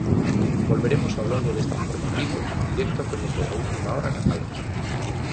Volveremos ao longo deste informativo en directo a coñecer a última hora na Palma.